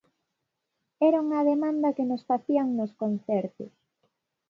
Era unha demanda que nos facían nos concertos.